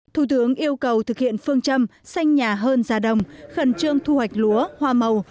thủ tướng yêu cầu thực hiện phương châm xanh nhà hơn gia đồng khẩn trương thu hoạch lúa hoa màu